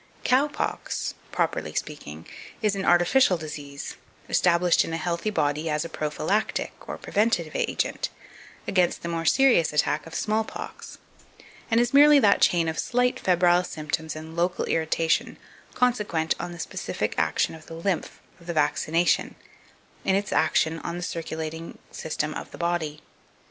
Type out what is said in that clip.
2543. COW POX, properly speaking, is an artificial disease, established in a healthy body as a prophylactic, or preventive agent, against the more serious attack of small pox, and is merely that chain of slight febrile symptoms and local irritation, consequent on the specific action of the lymph of the vaccination, in its action on the circulating system of the body.